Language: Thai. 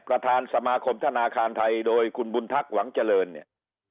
ประธานสมาคมธนาคารไทยโดยคุณบุญทักษ์หวังเจริญเนี่ย